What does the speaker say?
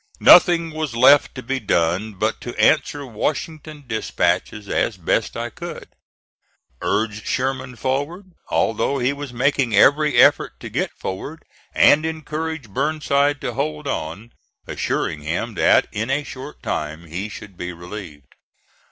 Nothing was left to be done but to answer Washington dispatches as best I could; urge Sherman forward, although he was making every effort to get forward, and encourage Burnside to hold on, assuring him that in a short time he should be relieved.